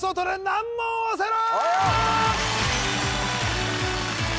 難問オセロ！